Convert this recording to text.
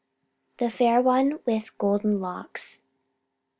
THE FAIR ONE WITH GOLDEN LOCKS.